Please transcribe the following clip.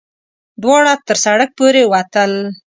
دواړه تر سړک پورې وتل.